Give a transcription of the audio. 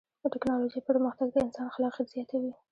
د ټکنالوجۍ پرمختګ د انسان خلاقیت زیاتوي.